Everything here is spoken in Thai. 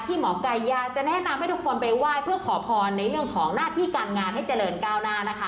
หมอไก่อยากจะแนะนำให้ทุกคนไปไหว้เพื่อขอพรในเรื่องของหน้าที่การงานให้เจริญก้าวหน้านะคะ